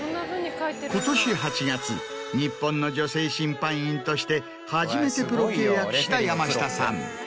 今年８月日本の女性審判員として初めてプロ契約した山下さん。